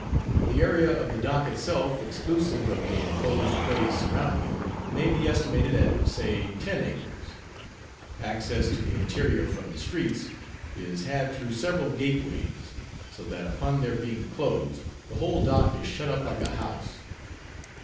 The area of the dock itself, exclusive of the inclosed quays surrounding it, may be estimated at, say, ten acres. Access to the interior from the streets is had through several gateways; so that, upon their being closed, the whole dock is shut up like a house.